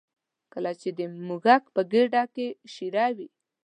کله چې د موږک په ګېډه کې شېره وي.